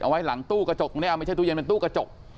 ไว้หลังตู้กระจกตรงนี้ไม่ใช่ตู้เย็นเป็นตู้กระจก